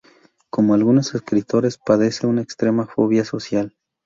Como algunos escritores, padece una extrema fobia social.